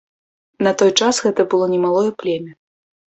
На той час гэта было немалое племя.